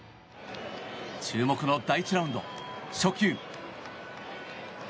注目の第１ラウンド初球。